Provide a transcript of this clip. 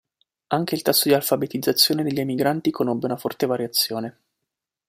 Anche il tasso di alfabetizzazione degli emigranti conobbe una forte variazione.